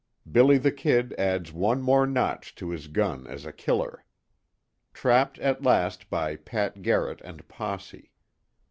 "BILLY THE KID" ADDS ONE MORE NOTCH TO HIS GUN AS A KILLER. TRAPPED AT LAST BY PAT GARRETT AND POSSE.